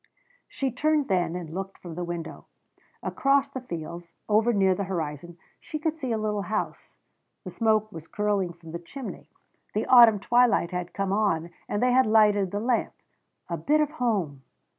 She turned then and looked from the window. Across the fields, over near the horizon, she could see a little house. The smoke was curling from the chimney. The autumn twilight had come on and they had lighted the lamp. A bit of home!